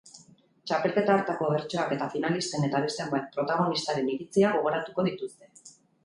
Txapelketa hartako bertsoak eta finalisten eta beste hainbat protagonistaren iritziak gogoratuko dituzte.